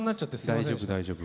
大丈夫大丈夫。